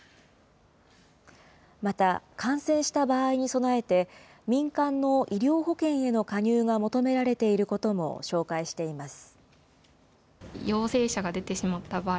また、感染した場合に備えて、民間の医療保険への加入が求められていることも紹介しています。